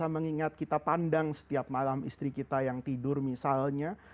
mengingat kita pandang setiap malam istri kita yang tidur misalnya